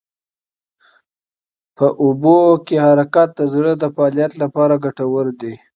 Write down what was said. په اوبو کې حرکت د زړه د فعالیت لپاره ګټور دی.